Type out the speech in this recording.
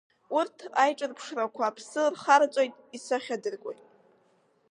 Урҭ аиҿырԥшрақәа аԥсы рхарҵоит, исахьадыркуеит.